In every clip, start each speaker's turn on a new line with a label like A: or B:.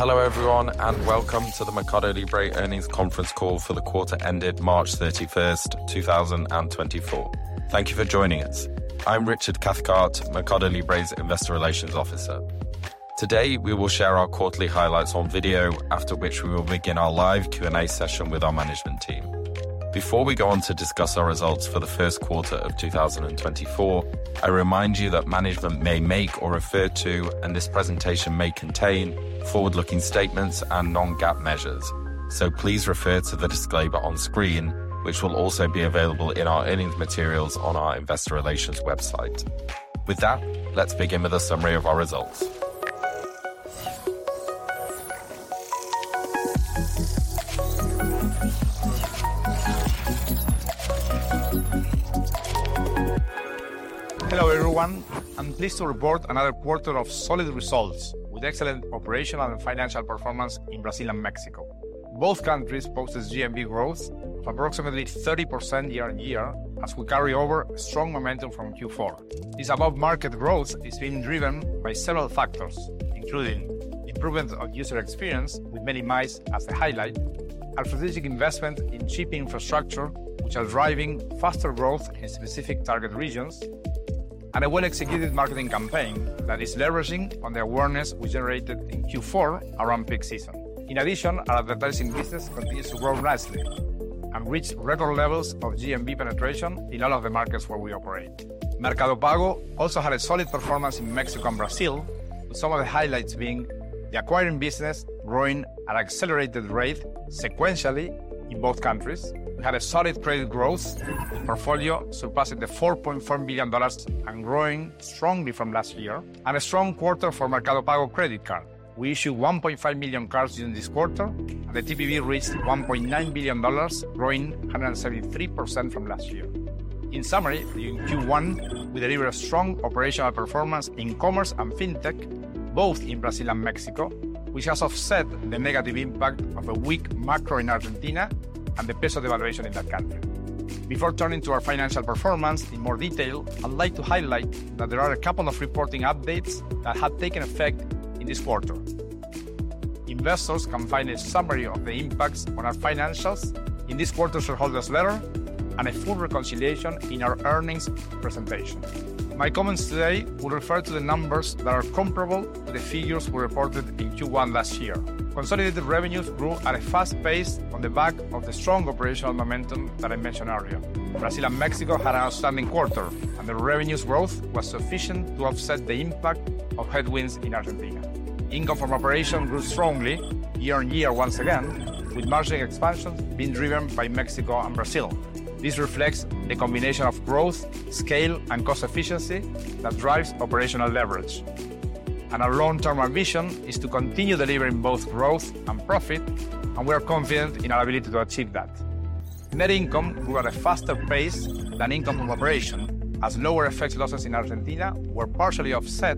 A: Hello, everyone, and welcome to the Mercado Libre Earnings Conference Call for the quarter ended March 31, 2024. Thank you for joining us. I'm Richard Cathcart, Mercado Libre's Investor Relations Officer. Today, we will share our quarterly highlights on video, after which we will begin our live Q&A session with our management team. Before we go on to discuss our results for the first quarter of 2024, I remind you that management may make or refer to, and this presentation may contain, forward-looking statements and non-GAAP measures. So please refer to the disclaimer on screen, which will also be available in our earnings materials on our investor relations website. With that, let's begin with a summary of our results.
B: Hello, everyone. I'm pleased to report another quarter of solid results, with excellent operational and financial performance in Brazil and Mexico. Both countries posted GMV growth of approximately 30% year-on-year, as we carry over strong momentum from Q4. This above-market growth is being driven by several factors, including improvement of user experience, with MELI+ as a highlight. Our strategic investment in shipping infrastructure, which are driving faster growth in specific target regions; and a well-executed marketing campaign that is leveraging on the awareness we generated in Q4 around peak season. In addition, our advertising business continues to grow nicely and reach record levels of GMV penetration in all of the markets where we operate. Mercado Pago also had a solid performance in Mexico and Brazil, with some of the highlights being the acquiring business growing at an accelerated rate sequentially in both countries. We had a solid credit growth. The portfolio surpassing the $4.4 billion and growing strongly from last year, and a strong quarter for Mercado Pago credit card. We issued 1.5 million cards during this quarter, and the TPV reached $1.9 billion, growing 173% from last year. In summary, in Q1, we delivered a strong operational performance in commerce and fintech, both in Brazil and Mexico, which has offset the negative impact of a weak macro in Argentina and the peso devaluation in that country. Before turning to our financial performance in more detail, I'd like to highlight that there are a couple of reporting updates that have taken effect in this quarter. Investors can find a summary of the impacts on our financials in this quarter's shareholder's letter and a full reconciliation in our earnings presentation. My comments today will refer to the numbers that are comparable to the figures we reported in Q1 last year. Consolidated revenues grew at a fast pace on the back of the strong operational momentum that I mentioned earlier. Brazil and Mexico had an outstanding quarter, and the revenues growth was sufficient to offset the impact of headwinds in Argentina. Income from operation grew strongly year-on-year once again, with margin expansion being driven by Mexico and Brazil. This reflects the combination of growth, scale, and cost efficiency that drives operational leverage. Our long-term ambition is to continue delivering both growth and profit, and we are confident in our ability to achieve that. Net income grew at a faster pace than income from operation, as lower FX losses in Argentina were partially offset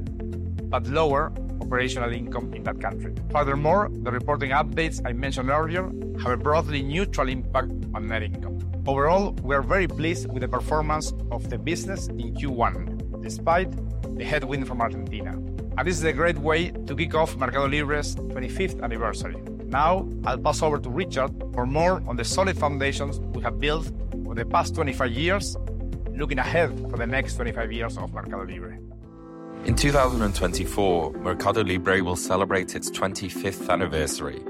B: by lower operational income in that country. Furthermore, the reporting updates I mentioned earlier have a broadly neutral impact on net income. Overall, we are very pleased with the performance of the business in Q1, despite the headwind from Argentina, and this is a great way to kick off Mercado Libre's 25th anniversary. Now, I'll pass over to Richard for more on the solid foundations we have built over the past 25 years, looking ahead for the next 25 years of Mercado Libre.
A: In 2024, Mercado Libre will celebrate its 25th anniversary,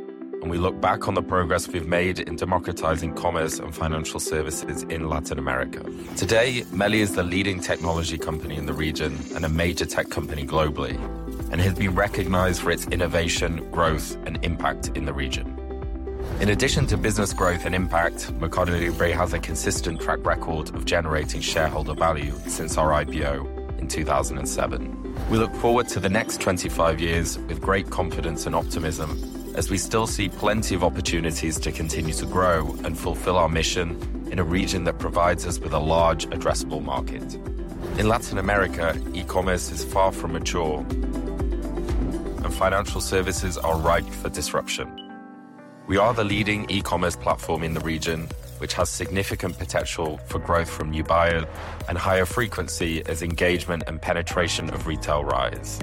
A: and we look back on the progress we've made in democratizing commerce and financial services in Latin America. Today, MELI is the leading technology company in the region and a major tech company globally, and has been recognized for its innovation, growth, and impact in the region. In addition to business growth and impact, Mercado Libre has a consistent track record of generating shareholder value since our IPO in 2007. We look forward to the next 25 years with great confidence and optimism, as we still see plenty of opportunities to continue to grow and fulfill our mission in a region that provides us with a large addressable market. In Latin America, e-commerce is far from mature, and financial services are ripe for disruption. We are the leading e-commerce platform in the region, which has significant potential for growth from new buyers and higher frequency as engagement and penetration of retail rise.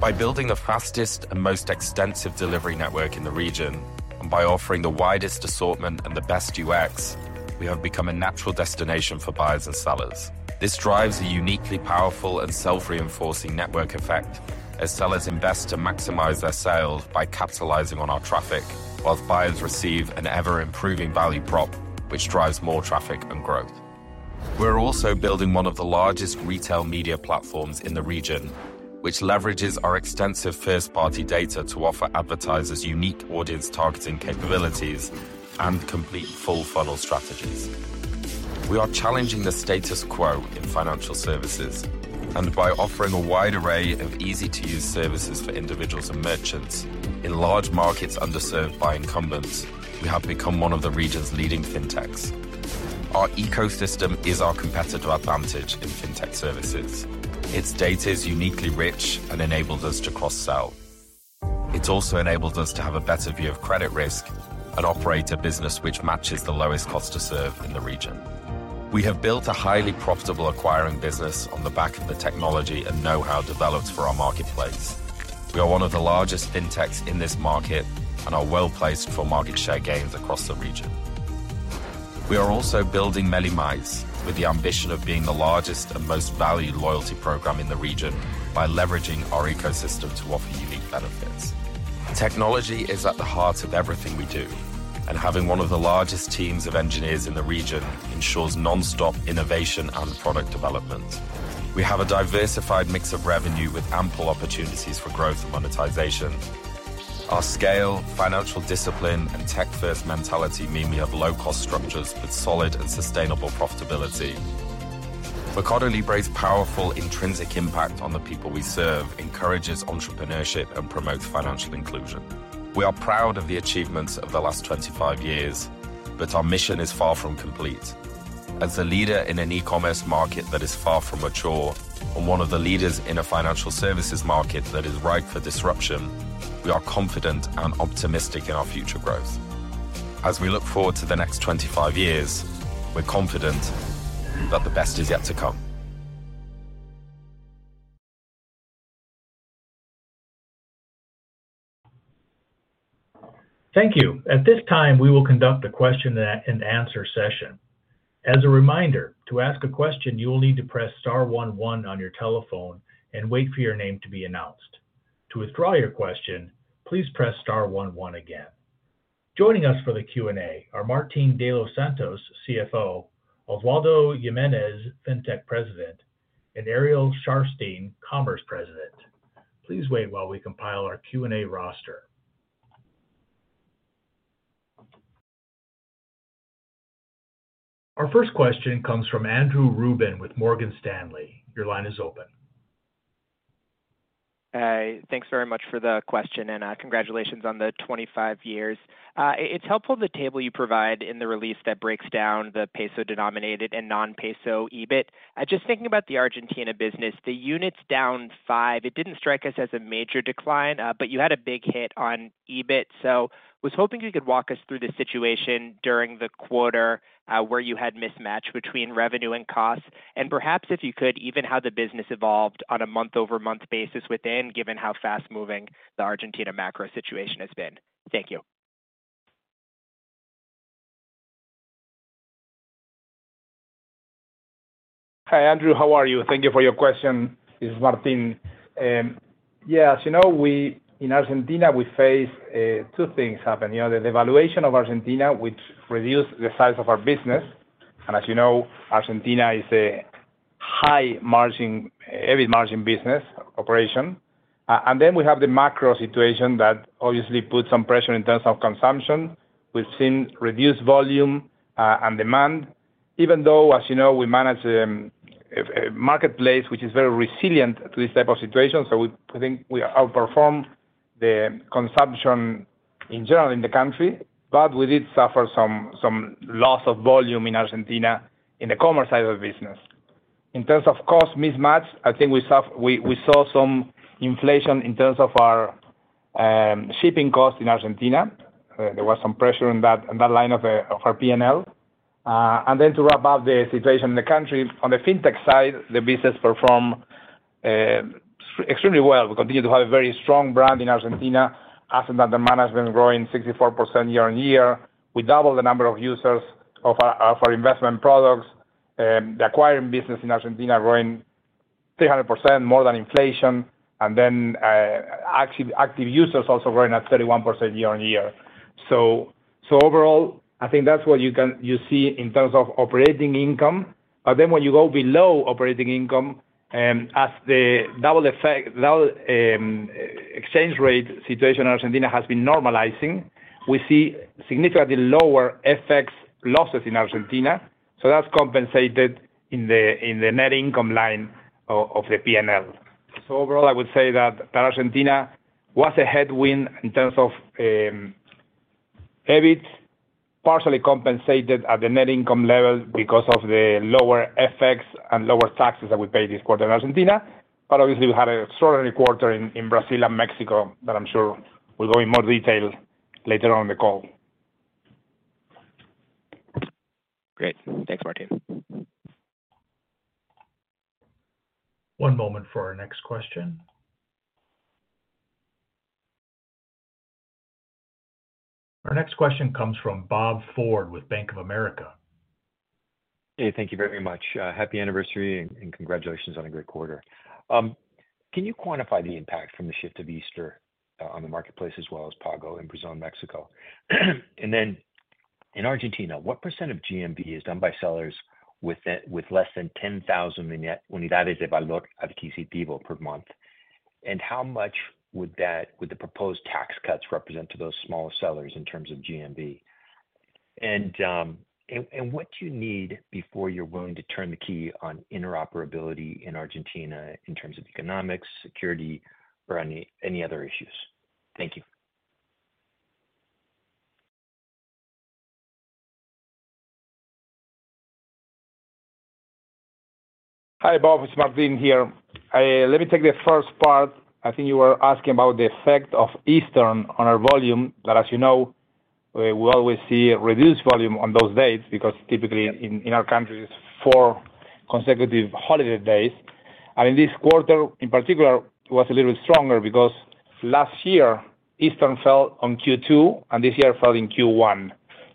A: By building the fastest and most extensive delivery network in the region, and by offering the widest assortment and the best UX, we have become a natural destination for buyers and sellers. This drives a uniquely powerful and self-reinforcing network effect, as sellers invest to maximize their sales by capitalizing on our traffic, whilst buyers receive an ever-improving value prop, which drives more traffic and growth. We're also building one of the largest retail media platforms in the region, which leverages our extensive first-party data to offer advertisers unique audience targeting capabilities and complete full-funnel strategies. We are challenging the status quo in financial services, and by offering a wide array of easy-to-use services for individuals and merchants in large markets underserved by incumbents, we have become one of the region's leading fintechs. Our ecosystem is our competitive advantage in fintech services. Its data is uniquely rich and enables us to cross-sell. It's also enabled us to have a better view of credit risk and operate a business which matches the lowest cost to serve in the region. We have built a highly profitable acquiring business on the back of the technology and know-how developed for our marketplace. We are one of the largest fintechs in this market and are well-placed for market share gains across the region. We are also building MELI+ with the ambition of being the largest and most valued loyalty program in the region by leveraging our ecosystem to offer unique benefits. Technology is at the heart of everything we do, and having one of the largest teams of engineers in the region ensures nonstop innovation and product development. We have a diversified mix of revenue with ample opportunities for growth and monetization. Our scale, financial discipline, and tech-first mentality mean we have low cost structures with solid and sustainable profitability. Mercado Libre's powerful intrinsic impact on the people we serve encourages entrepreneurship and promotes financial inclusion. We are proud of the achievements of the last 25 years, but our mission is far from complete. As a leader in an e-commerce market that is far from mature, and one of the leaders in a financial services market that is ripe for disruption, we are confident and optimistic in our future growth. As we look forward to the next 25 years, we're confident that the best is yet to come.
C: Thank you. At this time, we will conduct a question and answer session. As a reminder, to ask a question, you will need to press star one one on your telephone and wait for your name to be announced. To withdraw your question, please press star one one again. Joining us for the Q&A are Martín de los Santos, CFO, Osvaldo Giménez, Fintech President, and Ariel Szarfsztejn, Commerce President. Please wait while we compile our Q&A roster. Our first question comes from Andrew Ruben with Morgan Stanley. Your line is open.
D: Thanks very much for the question, and congratulations on the 25 years. It's helpful, the table you provide in the release that breaks down the peso denominated and non-peso EBIT. Just thinking about the Argentina business, the units down five, it didn't strike us as a major decline, but you had a big hit on EBIT. So was hoping you could walk us through the situation during the quarter, where you had mismatch between revenue and costs, and perhaps, if you could, even how the business evolved on a month-over-month basis within, given how fast-moving the Argentina macro situation has been. Thank you.
B: Hi, Andrew. How are you? Thank you for your question. This is Martin. Yeah, as you know, we in Argentina face two things happen. You know, the devaluation of Argentina, which reduced the size of our business, and as you know, Argentina is a high margin heavy margin business operation. And then we have the macro situation that obviously put some pressure in terms of consumption. We've seen reduced volume and demand, even though, as you know, we manage a marketplace which is very resilient to this type of situation. So I think we outperformed the consumption in general in the country, but we did suffer some loss of volume in Argentina, in the commerce side of the business. In terms of cost mismatch, I think we saw some inflation in terms of our shipping costs in Argentina. There was some pressure on that line of our P&L. And then to wrap up the situation in the country, on the fintech side, the business performed extremely well. We continue to have a very strong brand in Argentina. Assets under management growing 64% year-on-year. We doubled the number of users of our investment products. The acquiring business in Argentina growing 300% more than inflation, and then active users also growing at 31% year-on-year. So overall, I think that's what you see in terms of operating income. But then when you go below operating income, as the double effect exchange rate situation in Argentina has been normalizing, we see significantly lower FX losses in Argentina, so that's compensated in the net income line of the P&L. So overall, I would say that Argentina was a headwind in terms of EBIT, partially compensated at the net income level because of the lower FX and lower taxes that we paid this quarter in Argentina. But obviously, we had an extraordinary quarter in Brazil and Mexico, but I'm sure we'll go in more detail later on in the call.
D: Great. Thanks, Martin.
C: One moment for our next question. Our next question comes from Bob Ford with Bank of America.
E: Hey, thank you very much. Happy anniversary, and congratulations on a great quarter. Can you quantify the impact from the shift of Easter on the marketplace, as well as Pago in Brazil and Mexico? And then, in Argentina, what percent of GMV is done by sellers with less than 10,000 Unidades de Valor Adquisitivo per month? And how much would the proposed tax cuts represent to those smaller sellers in terms of GMV? And what do you need before you're willing to turn the key on interoperability in Argentina in terms of economics, security, or any other issues? Thank you....
B: Hi, Bob, it's Martin here. Let me take the first part. I think you were asking about the effect of Easter on our volume, that as you know, we, we always see a reduced volume on those dates because typically in, in our countries, four consecutive holiday days. And in this quarter, in particular, it was a little stronger because last year, Easter fell on Q2, and this year it fell in Q1.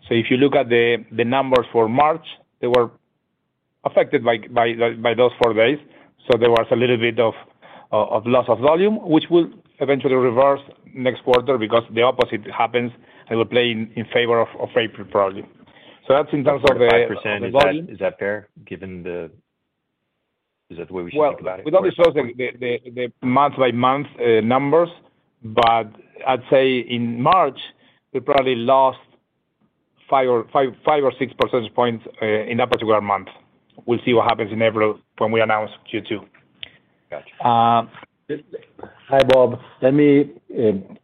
B: So if you look at the, the numbers for March, they were affected by, by, by those four days, so there was a little bit of, of loss of volume, which will eventually reverse next quarter because the opposite happens, and will play in, in favor of, of April probably. So that's in terms of the, the volume-
E: 5%, is that, is that fair, given the...? Is that the way we should think about it?
B: Well, we don't disclose the month-by-month numbers, but I'd say in March, we probably lost five or six percentage points in that particular month. We'll see what happens in April when we announce Q2.
E: Gotcha.
F: Hi, Bob. Let me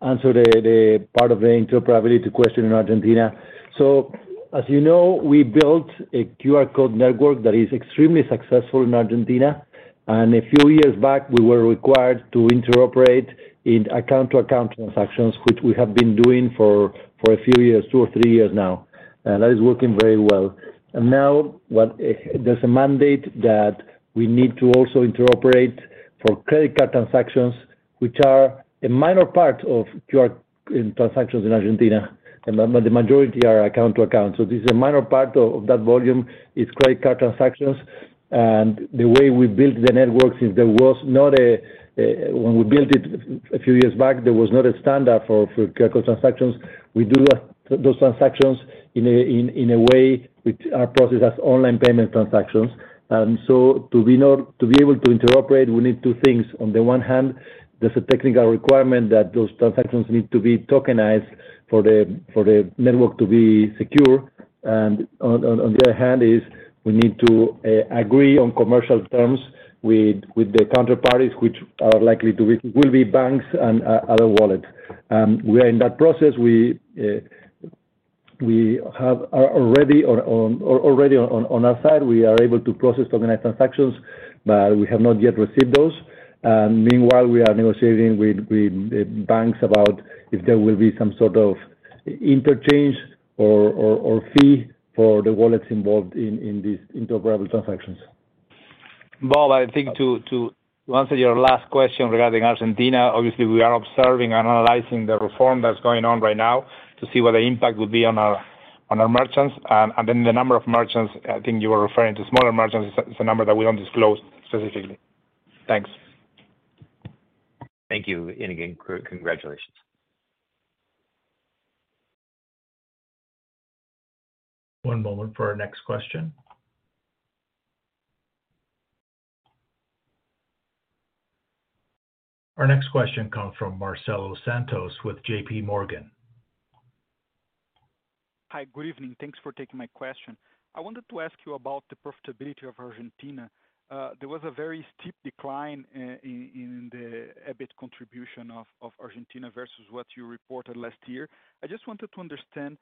F: answer the part of the interoperability question in Argentina. So as you know, we built a QR code network that is extremely successful in Argentina. And a few years back, we were required to interoperate in account-to-account transactions, which we have been doing for a few years, two or three years now, and that is working very well. And now, there's a mandate that we need to also interoperate for credit card transactions, which are a minor part of QR transactions in Argentina, and the majority are account to account. So this is a minor part of that volume; it's credit card transactions. And the way we built the networks is, when we built it a few years back, there was not a standard for credit card transactions. We do those transactions in a way which are processed as online payment transactions. To be able to interoperate, we need two things. On the one hand, there's a technical requirement that those transactions need to be tokenized for the network to be secure. And on the other hand, we need to agree on commercial terms with the counterparties, which are likely to be banks and other wallets. We are in that process. We are already on our side able to process tokenized transactions, but we have not yet received those. Meanwhile, we are negotiating with banks about if there will be some sort of interchange or fee for the wallets involved in these interoperable transactions.
B: Bob, I think to answer your last question regarding Argentina, obviously, we are observing and analyzing the reform that's going on right now to see what the impact would be on our merchants. And then the number of merchants, I think you were referring to smaller merchants, it's a number that we don't disclose specifically. Thanks.
E: Thank you, and again, congratulations.
C: One moment for our next question. Our next question comes from Marcelo Santos with J.P. Morgan.
D: Hi, good evening. Thanks for taking my question. I wanted to ask you about the profitability of Argentina. There was a very steep decline in the EBIT contribution of Argentina versus what you reported last year. I just wanted to understand,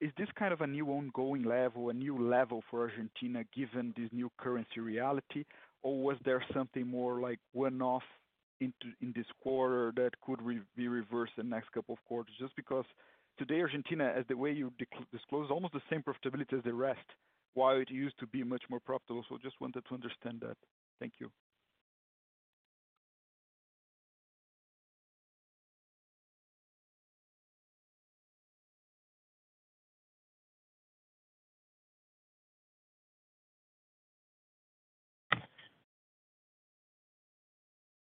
D: is this kind of a new ongoing level, a new level for Argentina, given this new currency reality? Or was there something more like one-off in this quarter that could be reversed the next couple of quarters? Just because today, Argentina, as the way you disclose, almost the same profitability as the rest, while it used to be much more profitable. So just wanted to understand that. Thank you.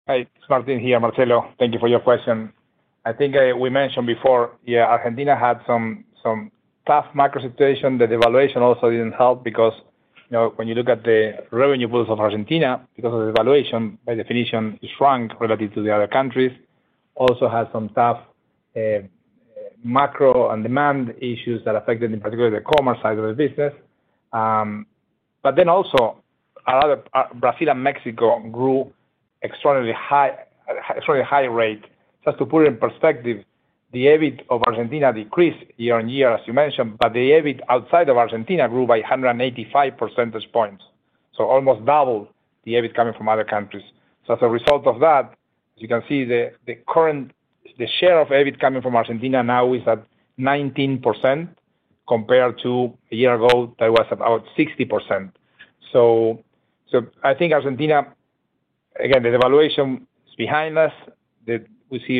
B: Hi, it's Martin here, Marcelo. Thank you for your question. I think, we mentioned before, yeah, Argentina had some tough micro situation. The devaluation also didn't help because, you know, when you look at the revenue pools of Argentina, because of the devaluation, by definition, it shrunk relative to the other countries. Also had some tough, macro and demand issues that affected, in particular, the commerce side of the business. But then also, our other, Brazil and Mexico grew extraordinarily high, extremely high rate. Just to put it in perspective, the EBIT of Argentina decreased year-on-year, as you mentioned, but the EBIT outside of Argentina grew by 185 percentage points, so almost double the EBIT coming from other countries. So as a result of that, as you can see, the current share of EBIT coming from Argentina now is at 19%, compared to a year ago, that was about 60%. So I think Argentina, again, the devaluation is behind us. We see,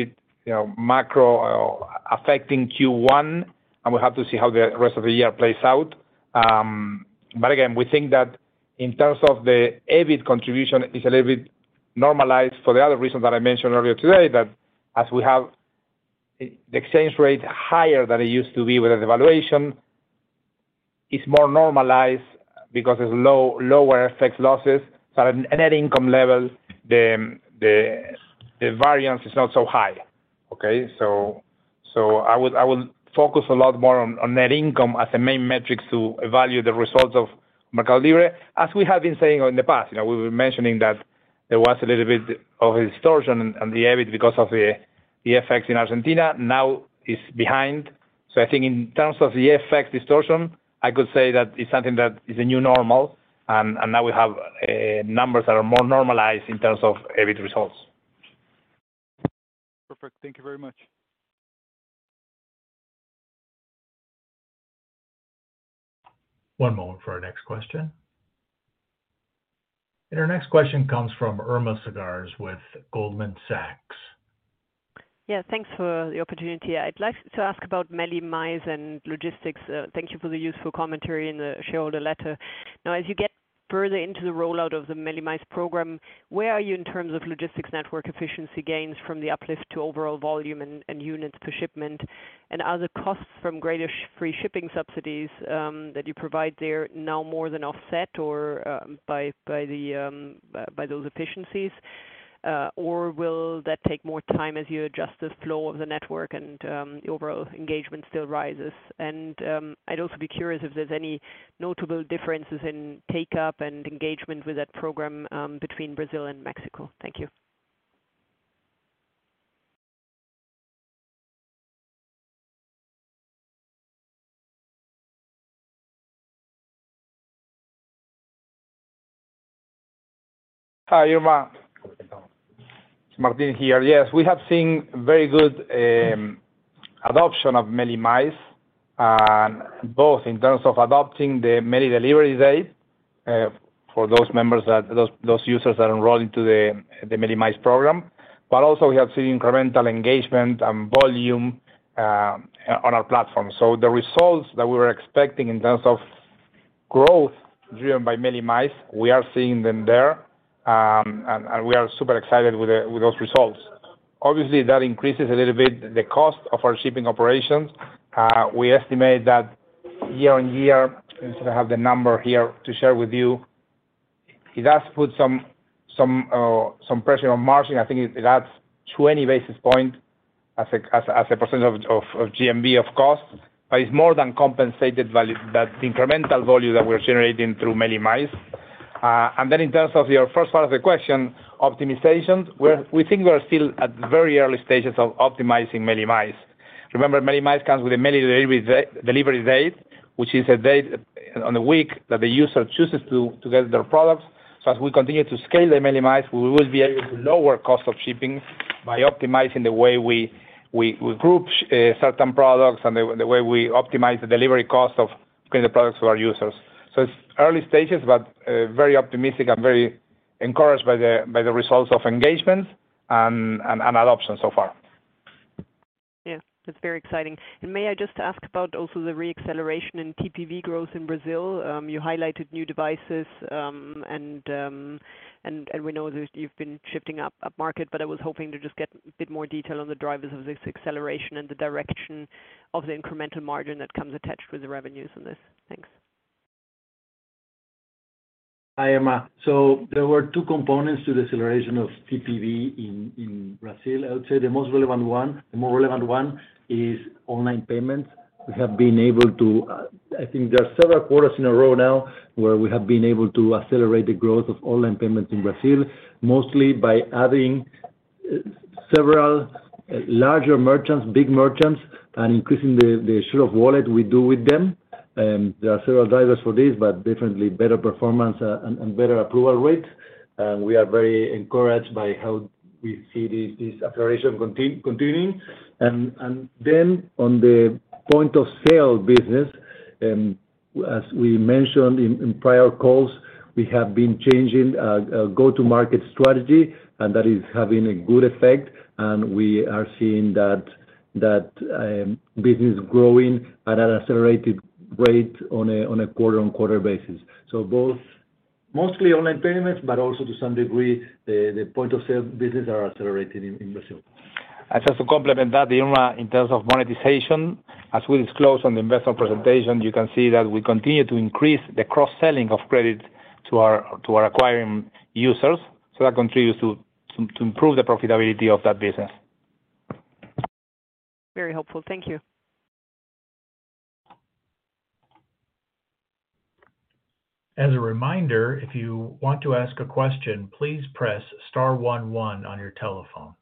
B: you know, macro affecting Q1, and we'll have to see how the rest of the year plays out. But again, we think that in terms of the EBIT contribution is a little bit normalized for the other reasons that I mentioned earlier today, that as we have the exchange rate higher than it used to be with the devaluation, it's more normalized because there's lower tax losses. So at a net income level, the variance is not so high, okay? I would focus a lot more on net income as a main metric to evaluate the results of Mercado Libre. As we have been saying in the past, you know, we were mentioning that there was a little bit of a distortion on the EBIT because of the effects in Argentina. Now it's behind. So I think in terms of the effect distortion, I could say that it's something that is a new normal, and now we have numbers that are more normalized in terms of EBIT results.
D: Perfect. Thank you very much.
C: One moment for our next question. Our next question comes from Irma Sgarz with Goldman Sachs.
D: Yeah, thanks for the opportunity. I'd like to ask about MELI+ and logistics. Thank you for the useful commentary in the shareholder letter. Now, as you get further into the rollout of the MELI+ program, where are you in terms of logistics network efficiency gains from the uplift to overall volume and units per shipment? And are the costs from greater free shipping subsidies that you provide there now more than offset by those efficiencies? Or will that take more time as you adjust the flow of the network and the overall engagement still rises? I'd also be curious if there's any notable differences in take-up and engagement with that program between Brazil and Mexico. Thank you.
B: Hi, Irma. It's Martin here. Yes, we have seen very good adoption of MELI+, and both in terms of MELI Delivery Day for those users that enroll into the MELI+ program, but also we have seen incremental engagement and volume on our platform. So the results that we were expecting in terms of growth driven by MELI+, we are seeing them there, and we are super excited with those results. Obviously, that increases a little bit the cost of our shipping operations. We estimate that year-over-year, I don't have the number here to share with you, it does put some pressure on margin. I think it adds 20 basis points as a percentage of GMV of cost, but it's more than compensated by that incremental volume that we're generating through MELI+. And then in terms of your first part of the question, optimization, we think we are still at very early stages of optimizing MELI+. Remember, MELI+ comes MELI Delivery Day, which is a day of the week that the user chooses to get their products. So as we continue to scale the MELI+, we will be able to lower cost of shipping by optimizing the way we group certain products and the way we optimize the delivery cost of getting the products to our users. So it's early stages, but very optimistic and very encouraged by the results of engagement and adoption so far.
D: Yeah, that's very exciting. May I just ask about also the re-acceleration in TPV growth in Brazil? You highlighted new devices, and we know that you've been shifting upmarket, but I was hoping to just get a bit more detail on the drivers of this acceleration and the direction of the incremental margin that comes attached with the revenues on this. Thanks.
B: Hi, Irma. So there were two components to the acceleration of TPV in Brazil. I would say the most relevant one, the more relevant one is online payments. We have been able to. I think there are several quarters in a row now where we have been able to accelerate the growth of online payments in Brazil, mostly by adding several larger merchants, big merchants, and increasing the share of wallet we do with them. There are several drivers for this, but definitely better performance and better approval rate. And we are very encouraged by how we see this acceleration continuing. And then on the point of sale business, as we mentioned in prior calls, we have been changing our go-to-market strategy, and that is having a good effect, and we are seeing that business growing at an accelerated rate on a quarter-on-quarter basis. So both mostly online payments, but also to some degree, the point-of-sale business are accelerated in Brazil. And just to complement that, Irma, in terms of monetization, as we disclosed on the investor presentation, you can see that we continue to increase the cross-selling of credit to our acquiring users, so that contributes to improve the profitability of that business.
D: Very helpful. Thank you.
C: As a reminder, if you want to ask a question, please press star one one on your telephone.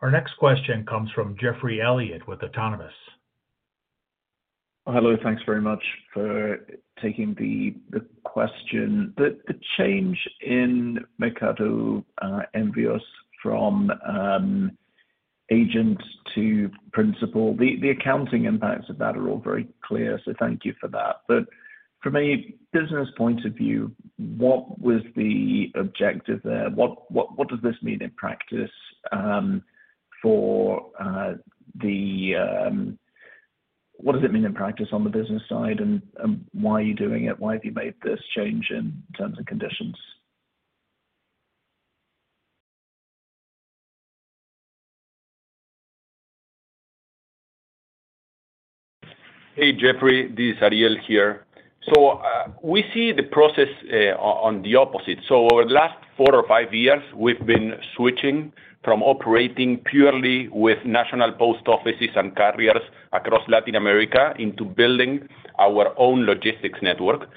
C: Our next question comes from Geoffrey Elliott with Autonomous.
D: Hello, thanks very much for taking the question. The change in Mercado Envíos from agent to principal, the accounting impacts of that are all very clear, so thank you for that. But from a business point of view, what was the objective there? What does this mean in practice for the business side, and why are you doing it? Why have you made this change in terms and conditions?
B: Hey, Geoffrey, this is Ariel here. So, we see the process on the opposite. So over the last four or five years, we've been switching from operating purely with national post offices and carriers across Latin America into building our own logistics network....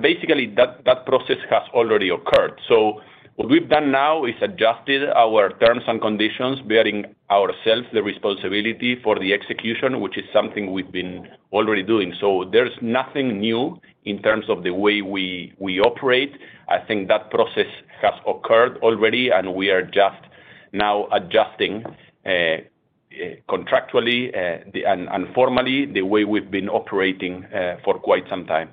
G: Basically, that process has already occurred. So what we've done now is adjusted our terms and conditions, bearing ourselves the responsibility for the execution, which is something we've been already doing. So there's nothing new in terms of the way we operate. I think that process has occurred already, and we are just now adjusting contractually and formally the way we've been operating for quite some time.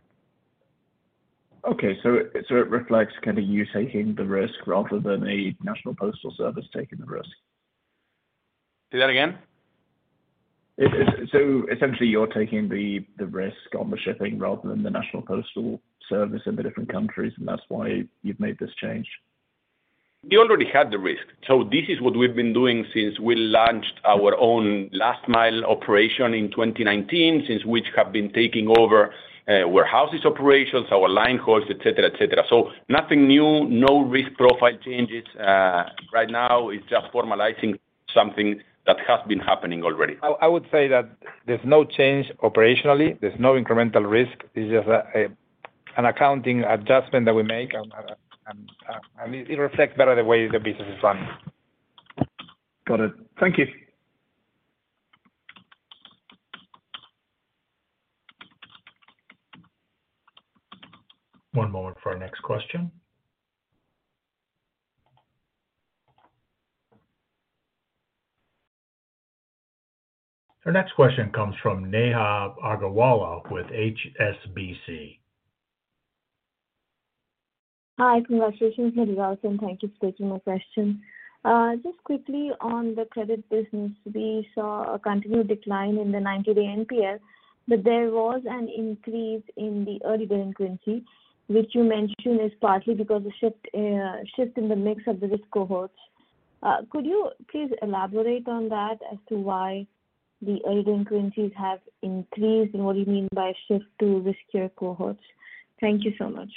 D: Okay, so, so it reflects kind of you taking the risk rather than a national postal service taking the risk?
G: Say that again?
D: So essentially you're taking the risk on the shipping rather than the national postal service in the different countries, and that's why you've made this change.
G: We already had the risk. So this is what we've been doing since we launched our own last mile operation in 2019, since which have been taking over warehouses operations, our line hauls, et cetera, et cetera. So nothing new, no risk profile changes. Right now, it's just formalizing something that has been happening already.
F: I would say that there's no change operationally. There's no incremental risk. It's just an accounting adjustment that we make, and it reflects better the way the business is run.
D: Got it. Thank you.
C: One moment for our next question. Our next question comes from Neha Agarwala with HSBC.
D: Hi, congratulations, and thank you for taking my question. Just quickly on the credit business, we saw a continued decline in the 90-day NPL, but there was an increase in the early delinquency, which you mentioned is partly because the shift, shift in the mix of the risk cohorts. Could you please elaborate on that as to why the early delinquencies have increased, and what do you mean by shift to riskier cohorts? Thank you so much.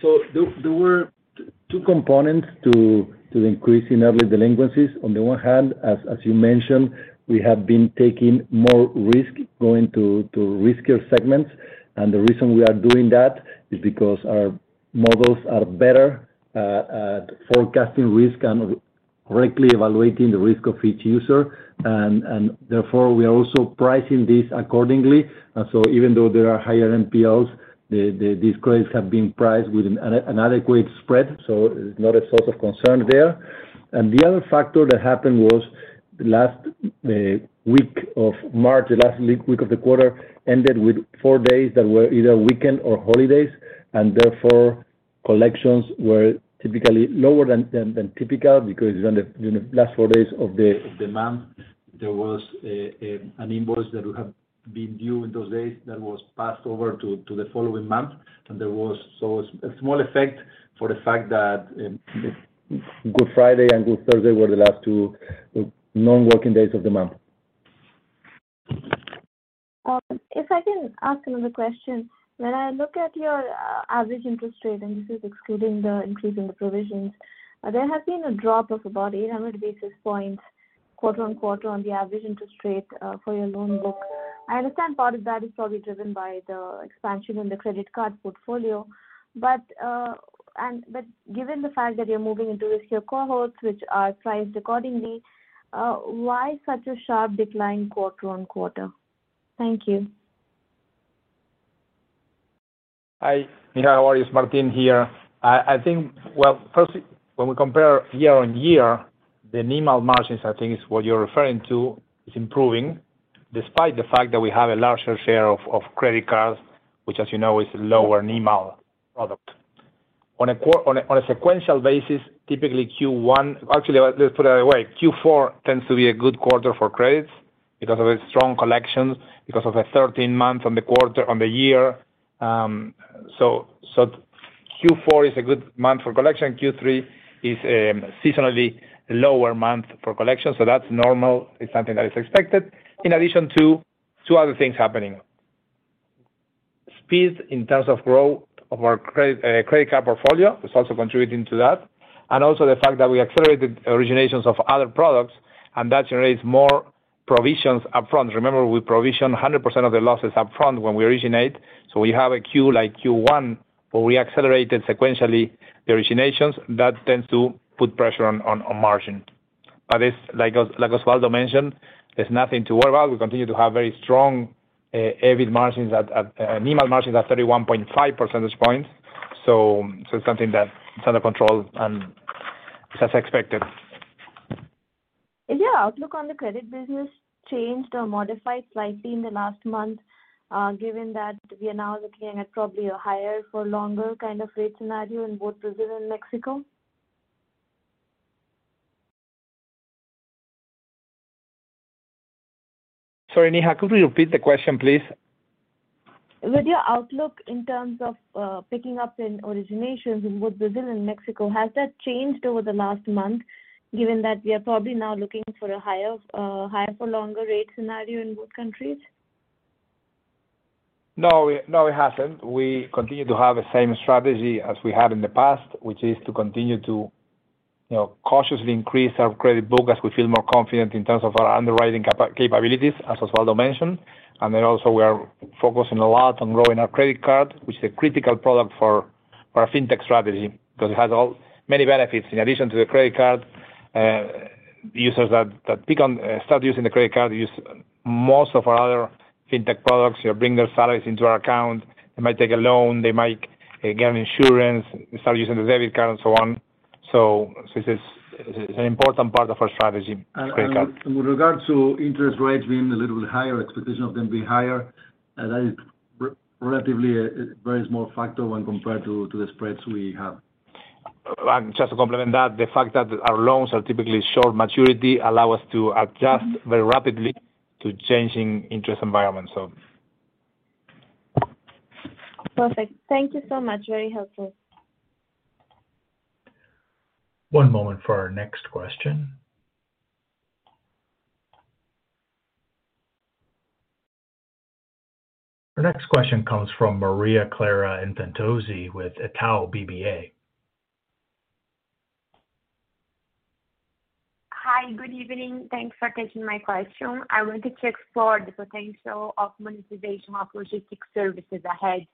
F: So there were two components to the increase in early delinquencies. On the one hand, as you mentioned, we have been taking more risk, going to riskier segments. And the reason we are doing that is because our models are better at forecasting risk and correctly evaluating the risk of each user. And therefore, we are also pricing this accordingly. And so even though there are higher NPLs, these credits have been priced with an adequate spread, so it's not a source of concern there. And the other factor that happened was the last week of March, the last week of the quarter, ended with four days that were either weekend or holidays, and therefore, collections were typically lower than typical, because during the last four days of the month, there was an invoice that would have been due in those days that was passed over to the following month. And there was a small effect for the fact that Good Friday and Good Thursday were the last two non-working days of the month.
D: If I can ask another question. When I look at your average interest rate, and this is excluding the increase in the provisions, there has been a drop of about 800 basis points, quarter-on-quarter, on the average interest rate for your loan book. I understand part of that is probably driven by the expansion in the credit card portfolio. But given the fact that you're moving into riskier cohorts, which are priced accordingly, why such a sharp decline quarter-on-quarter? Thank you.
G: Hi, Neha, how are you? It's Martin here. I think, well, first, when we compare year-on-year, the NIMAL margins, I think is what you're referring to, is improving, despite the fact that we have a larger share of credit cards, which, as you know, is a lower NIMAL product. On a sequential basis, typically Q1... Actually, let's put it away. Q4 tends to be a good quarter for credits because of a strong collection, because of a 13-month on the quarter, on the year. So, Q4 is a good month for collection. Q3 is seasonally lower month for collection, so that's normal. It's something that is expected, in addition to two other things happening. Speed in terms of growth of our credit, credit card portfolio is also contributing to that, and also the fact that we accelerated originations of other products, and that generates more provisions upfront. Remember, we provision 100% of the losses upfront when we originate. So we have a Q, like Q1, where we accelerated sequentially the originations, that tends to put pressure on margin. But it's like Osvaldo mentioned, there's nothing to worry about. We continue to have very strong, solid margins at, at, NIMAL margins at 31.5 percentage points, so something that it's under control, and as expected.
D: Is your outlook on the credit business changed or modified slightly in the last month, given that we are now looking at probably a higher for longer kind of rate scenario in both Brazil and Mexico?
G: Sorry, Neha, could you repeat the question, please?
D: With your outlook in terms of picking up in originations in both Brazil and Mexico, has that changed over the last month, given that we are probably now looking for a higher higher-for-longer rate scenario in both countries?...
G: No, we, no, it hasn't. We continue to have the same strategy as we had in the past, which is to continue to, you know, cautiously increase our credit book as we feel more confident in terms of our underwriting capabilities, as Osvaldo mentioned. And then also we are focusing a lot on growing our credit card, which is a critical product for our fintech strategy, because it has many benefits. In addition to the credit card, users that start using the credit card use most of our other fintech products or bring their salaries into our account. They might take a loan, they might get insurance, start using the debit card, and so on. So this is an important part of our strategy, credit card.
F: With regards to interest rates being a little bit higher, expectation of them being higher, that is relatively a very small factor when compared to the spreads we have.
G: Just to complement that, the fact that our loans are typically short maturity allow us to adjust very rapidly to changing interest environments, so.
D: Perfect. Thank you so much. Very helpful.
C: One moment for our next question. The next question comes from Maria Clara Infantozzi with Itaú BBA.
D: Hi, good evening. Thanks for taking my question. I wanted to explore the potential of monetization of logistics services ahead,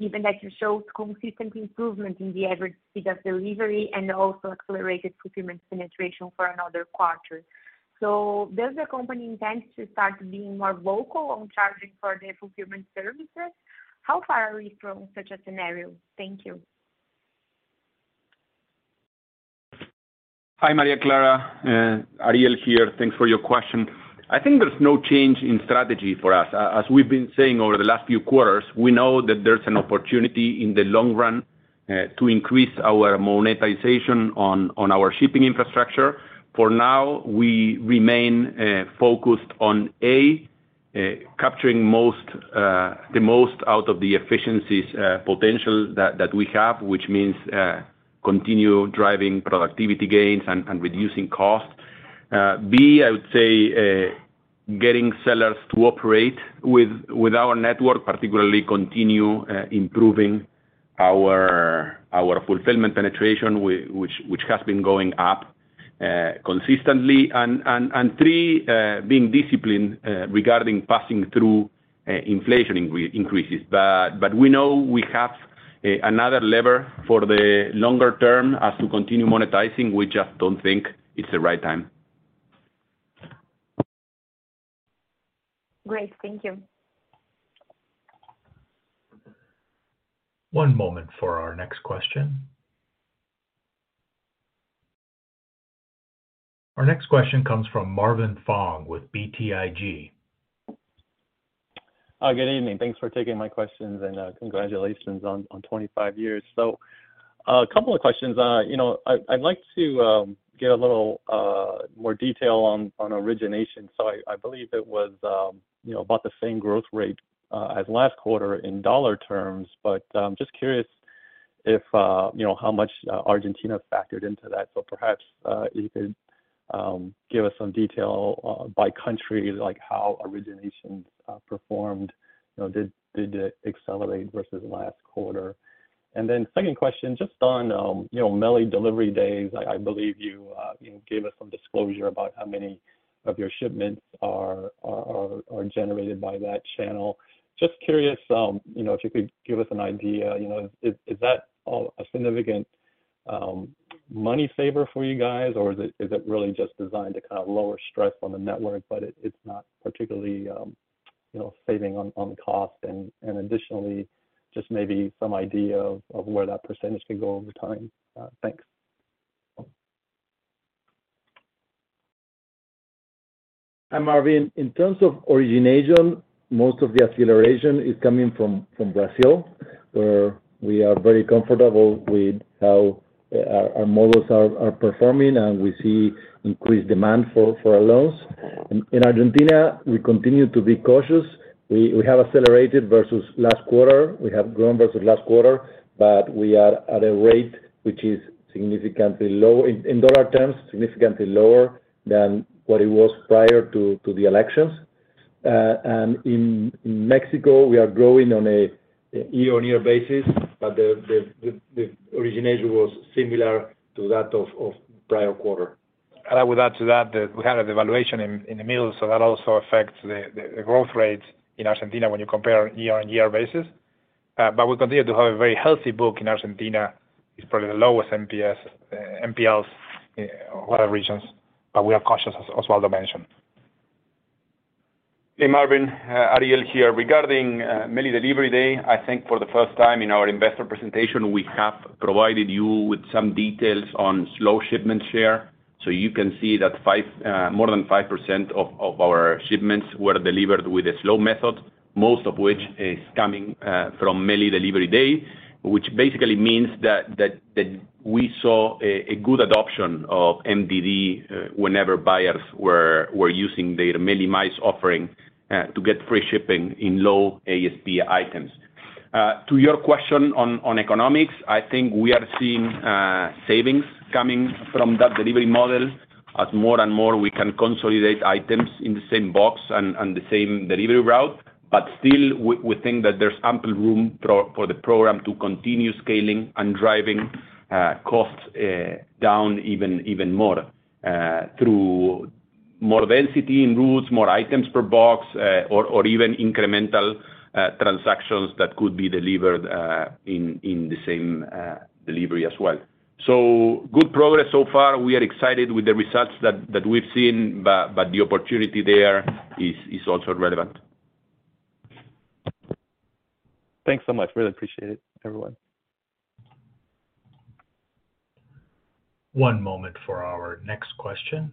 D: given that you showed consistent improvement in the average speed of delivery and also accelerated fulfillment penetration for another quarter. Does the company intend to start being more vocal on charging for their fulfillment services? How far are we from such a scenario? Thank you.
G: Hi, Maria Clara, Ariel here. Thanks for your question. I think there's no change in strategy for us. As we've been saying over the last few quarters, we know that there's an opportunity in the long run to increase our monetization on our shipping infrastructure. For now, we remain focused on A, capturing the most out of the efficiencies potential that we have, which means continue driving productivity gains and reducing costs. B, I would say, getting sellers to operate with our network, particularly continue improving our fulfillment penetration, which has been going up consistently. And three, being disciplined regarding passing through inflation increases. But we know we have another lever for the longer term as to continue monetizing. We just don't think it's the right time.
D: Great. Thank you.
C: One moment for our next question. Our next question comes from Marvin Fong with BTIG.
D: Good evening. Thanks for taking my questions, and congratulations on 25 years. So, a couple of questions. You know, I'd like to get a little more detail on origination. So I believe it was, you know, about the same growth rate as last quarter in dollar terms, but just curious if, you know, how much Argentina factored into that. So perhaps you could give us some detail by country, like, how originations performed. You know, did it accelerate versus last quarter? And then second question, just on, MELI Delivery Days, i believe you gave us some disclosure about how many of your shipments are generated by that channel. Just curious, you know, if you could give us an idea, you know, is that a significant money saver for you guys, or is it really just designed to kind of lower stress on the network, but it's not particularly, you know, saving on cost? And additionally, just maybe some idea of where that percentage could go over time. Thanks.
F: Hi, Marvin. In terms of origination, most of the acceleration is coming from Brazil, where we are very comfortable with how our models are performing, and we see increased demand for our loans. In Argentina, we continue to be cautious. We have accelerated versus last quarter. We have grown versus last quarter, but we are at a rate which is significantly low, in dollar terms, significantly lower than what it was prior to the elections. And in Mexico, we are growing on a year-on-year basis, but the origination was similar to that of prior quarter.
G: And I would add to that, that we had a devaluation in the middle, so that also affects the growth rate in Argentina when you compare year-on-year basis. But we continue to have a very healthy book in Argentina. It's probably the lowest NPS, NPLs, of other regions, but we are cautious, as Osvaldo mentioned. Hey, Marvin, Ariel MELI Delivery Day, i think for the first time in our investor presentation, we have provided you with some details on slow shipment share. So you can see that more than 5% of our shipments were delivered with a slow method, most of which is MELI Delivery Day, which basically means that we saw a good adoption of MDD whenever buyers were using the MELI+ offering to get free shipping in low ASP items. To your question on economics, I think we are seeing savings coming from that delivery model as more and more we can consolidate items in the same box and the same delivery route. But still, we think that there's ample room for the program to continue scaling and driving costs down even more through more density in routes, more items per box, or even incremental transactions that could be delivered in the same delivery as well. So good progress so far. We are excited with the results that we've seen, but the opportunity there is also relevant.
D: Thanks so much. Really appreciate it, everyone.
C: One moment for our next question.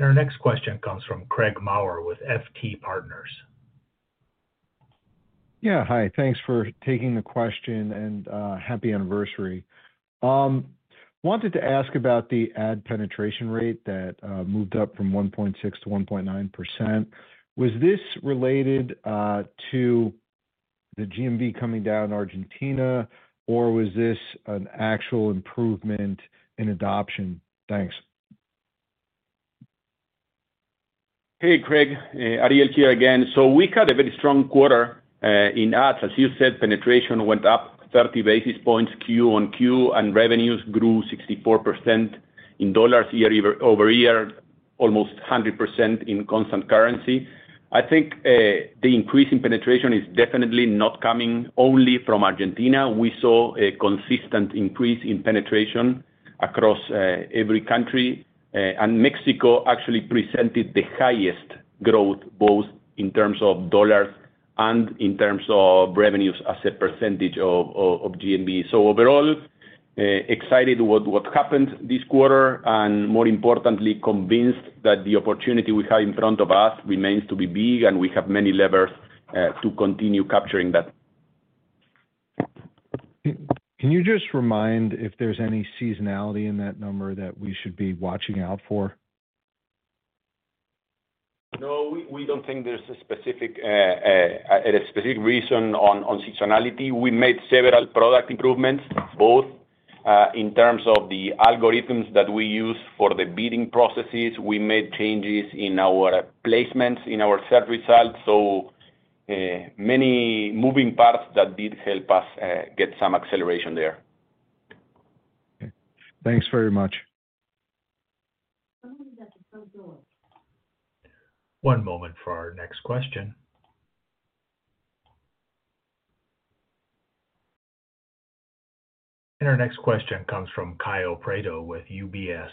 C: Our next question comes from Craig Maurer with FT Partners.
D: Yeah, hi, thanks for taking the question, and happy anniversary. Wanted to ask about the ad penetration rate that moved up from 1.6% to 1.9%. Was this related to the GMV coming down in Argentina, or was this an actual improvement in adoption? Thanks.
G: Hey, Craig, Ariel here again. So we had a very strong quarter in ads. As you said, penetration went up 30 basis points Q on Q, and revenues grew 64% in dollars year-over-year, almost 100% in constant currency. I think the increase in penetration is definitely not coming only from Argentina. We saw a consistent increase in penetration across every country, and Mexico actually presented the highest growth, both in terms of dollars and in terms of revenues as a percentage of GMV. So overall, excited what happened this quarter, and more importantly, convinced that the opportunity we have in front of us remains to be big, and we have many levers to continue capturing that.
D: Can you just remind if there's any seasonality in that number that we should be watching out for?
G: No, we, we don't think there's a specific, a specific reason on, on seasonality. We made several product improvements, both, in terms of the algorithms that we use for the bidding processes. We made changes in our placements, in our search results, so, many moving parts that did help us, get some acceleration there.
D: Okay. Thanks very much.
C: One moment for our next question. Our next question comes from Caio Prado with UBS.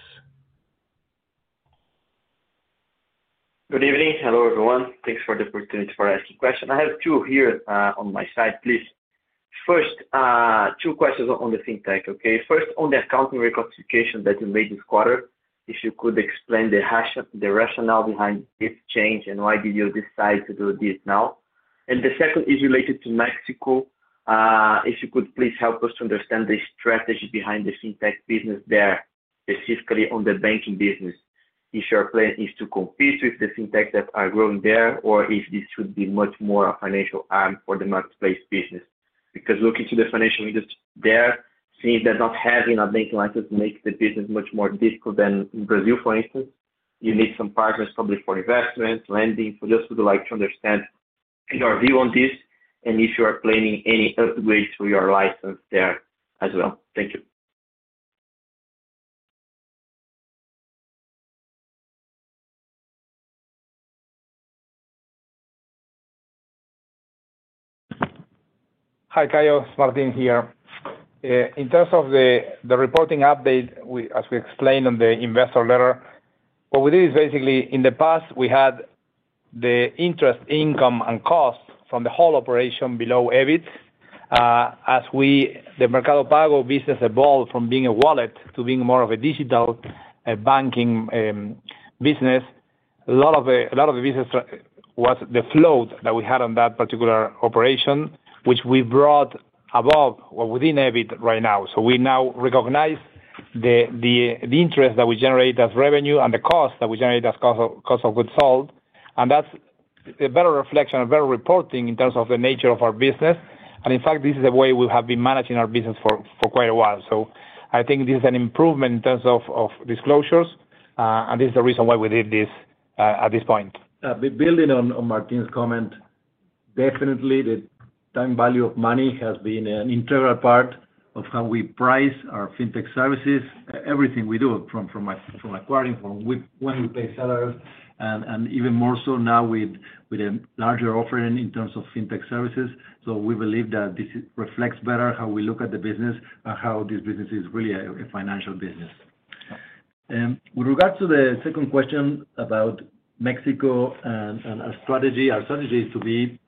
D: Good evening. Hello, everyone. Thanks for the opportunity for asking question. I have two here, on my side, please. First, two questions on the fintech, okay? First, on the accounting reclassification that you made this quarter, if you could explain the rationale behind this change, and why did you decide to do this now? And the second is related to Mexico. If you could please help us to understand the strategy behind the fintech business there, specifically on the banking business, if your plan is to compete with the fintech that are growing there, or if this should be much more a financial arm for the marketplace business. Because looking to the financial industry there, seems that not having a banking license makes the business much more difficult than in Brazil, for instance. You need some partners, probably for investments, lending. Just would like to understand your view on this, and if you are planning any upgrades to your license there as well? Thank you.
G: Hi, Caio, Martin here. In terms of the reporting update, as we explained on the investor letter, what we did is basically, in the past, we had the interest income and cost from the whole operation below EBIT. As the Mercado Pago business evolved from being a wallet to being more of a digital banking business, a lot of the business was the float that we had on that particular operation, which we brought above or within EBIT right now. So we now recognize the interest that we generate as revenue and the cost that we generate as cost of goods sold, and that's a better reflection, a better reporting in terms of the nature of our business. And in fact, this is the way we have been managing our business for quite a while. So I think this is an improvement in terms of, of disclosures, and this is the reason why we did this, at this point.
F: Building on Martin's comment, definitely the time value of money has been an integral part of how we price our fintech services. Everything we do, from acquiring, from when we pay sellers, and even more so now with a larger offering in terms of fintech services. So we believe that this reflects better how we look at the business and how this business is really a financial business. With regards to the second question about Mexico and our strategy, our strategy is to be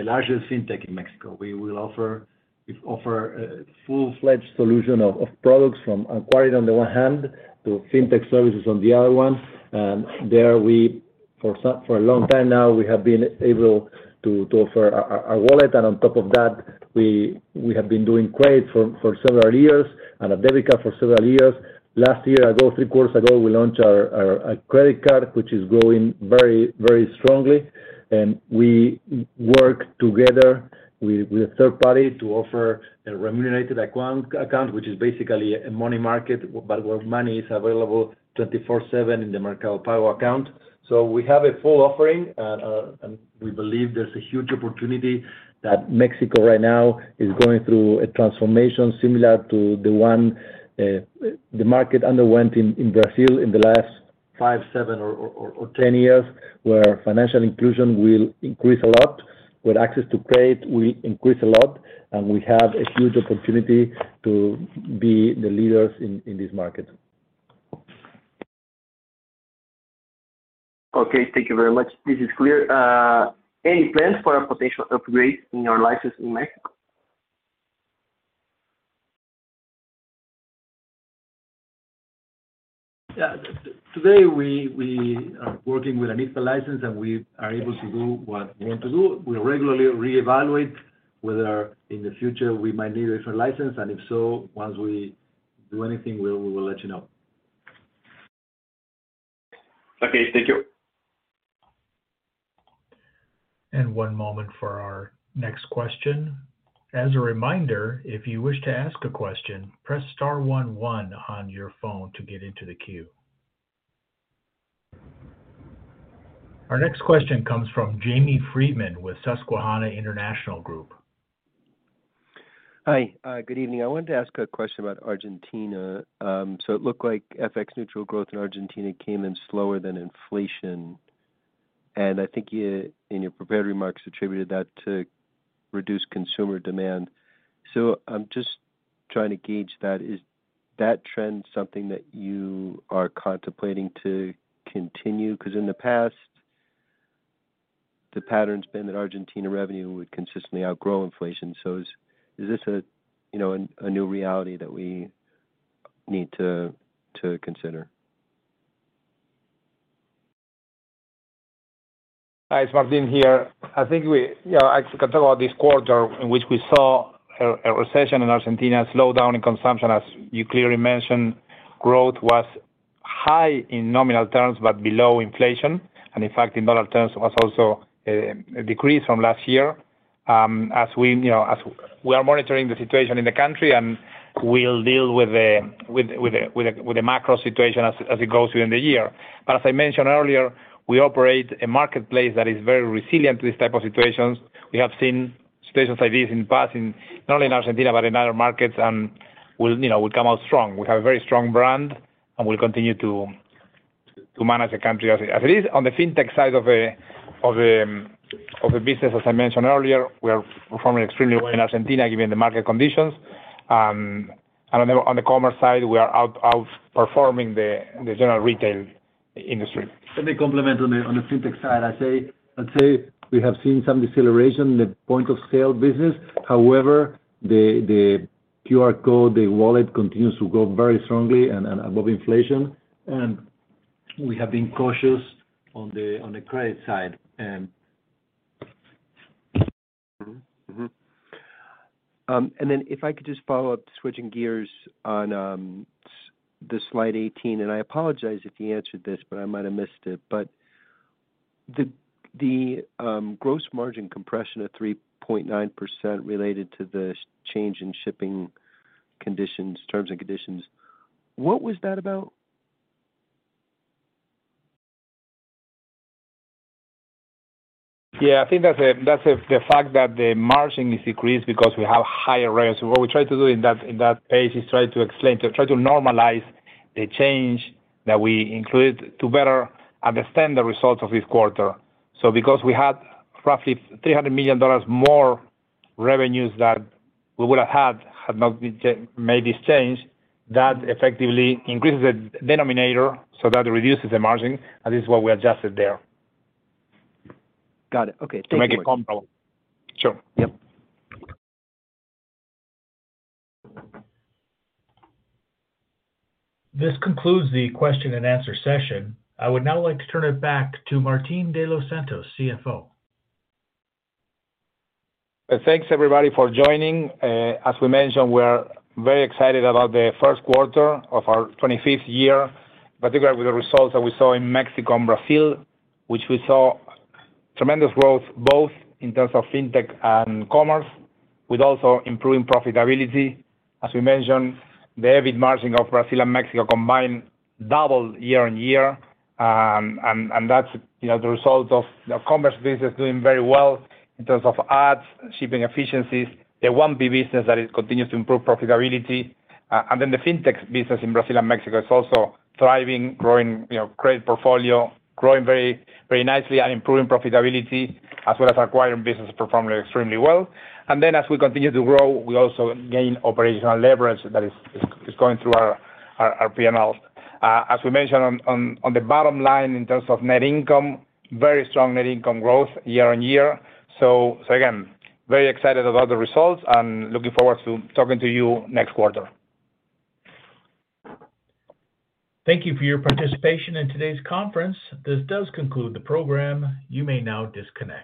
F: the largest fintech in Mexico. We will offer a full-fledged solution of products from acquiring on the one hand, to fintech services on the other one. There we-...
B: for some, for a long time now, we have been able to offer our wallet, and on top of that, we have been doing credit for several years, and a debit card for several years. Last year, about three quarters ago, we launched our credit card, which is growing very strongly, and we work together with a third party to offer a remunerated account, which is basically a money market, but where money is available 24/7 in the Mercado Pago account. So we have a full offering, and we believe there's a huge opportunity that Mexico right now is going through a transformation similar to the one, the market underwent in Brazil in the last five, seven, or 10 years, where financial inclusion will increase a lot, where access to credit will increase a lot, and we have a huge opportunity to be the leaders in this market.
D: Okay, thank you very much. This is clear. Any plans for a potential upgrade in your license in Mexico?
B: Yeah, today, we are working with an IFPE license, and we are able to do what we want to do. We regularly re-evaluate whether in the future we might need a different license, and if so, once we do anything, we will let you know.
D: Okay. Thank you.
C: One moment for our next question. As a reminder, if you wish to ask a question, press star one one on your phone to get into the queue. Our next question comes from Jamie Friedman with Susquehanna International Group.
D: Hi, good evening. I wanted to ask a question about Argentina. So it looked like FX neutral growth in Argentina came in slower than inflation, and I think you, in your prepared remarks, attributed that to reduced consumer demand. So I'm just trying to gauge that. Is that trend something that you are contemplating to continue? Because in the past, the pattern's been that Argentina revenue would consistently outgrow inflation, so is this a, you know, a new reality that we need to consider?
B: Hi, it's Martin here. Yeah, I can talk about this quarter, in which we saw a recession in Argentina, a slowdown in consumption, as you clearly mentioned. Growth was high in nominal terms, but below inflation, and in fact, in dollar terms, it was also a decrease from last year. As we, you know, we are monitoring the situation in the country, and we'll deal with the macro situation as it goes during the year. But as I mentioned earlier, we operate a marketplace that is very resilient to these type of situations. We have seen situations like this in the past, in not only Argentina, but in other markets, and we'll, you know, we'll come out strong. We have a very strong brand, and we'll continue to manage the country as it is. On the fintech side of the business, as I mentioned earlier, we are performing extremely well in Argentina, given the market conditions. And on the commerce side, we are outperforming the general retail industry.
F: Let me comment on the fintech side. I'd say we have seen some deceleration in the point of sale business. However, the QR code, the wallet, continues to grow very strongly and above inflation, and we have been cautious on the credit side, and-
D: Mm-hmm. Mm-hmm. And then if I could just follow up, switching gears on the slide 18, and I apologize if you answered this, but I might have missed it, but the gross margin compression of 3.9% related to the change in shipping conditions, terms and conditions, what was that about?
B: Yeah, I think that's the fact that the margin is decreased because we have higher rates. What we try to do in that page is try to explain to normalize the change that we included to better understand the results of this quarter. So because we had roughly $300 million more revenues that we would've had, had not been made this change, that effectively increases the denominator, so that reduces the margin, and this is what we adjusted there.
D: Got it. Okay, thank you.
B: To make it comparable. Sure.
D: Yep.
C: This concludes the question and answer session. I would now like to turn it back to Martín de los Santos, CFO.
B: Thanks, everybody, for joining. As we mentioned, we are very excited about the first quarter of our 25th year, particularly with the results that we saw in Mexico and Brazil, which we saw tremendous growth, both in terms of fintech and commerce, with also improving profitability. As we mentioned, the EBIT margin of Brazil and Mexico combined doubled year-over-year, and that's, you know, the result of the commerce business doing very well in terms of ads, shipping efficiencies. The 1P business continues to improve profitability, and then the fintech business in Brazil and Mexico is also thriving, growing, you know, credit portfolio, growing very, very nicely and improving profitability, as well as acquiring business, performing extremely well. And then as we continue to grow, we also gain operational leverage that is going through our P&L. As we mentioned, on the bottom line, in terms of net income, very strong net income growth year-on-year. So, again, very excited about the results, and looking forward to talking to you next quarter.
C: Thank you for your participation in today's conference. This does conclude the program. You may now disconnect.